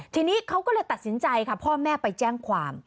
ทีนี้เขาก็เลยตัดสินใจค่ะพ่อแม่ไปแจ้งความ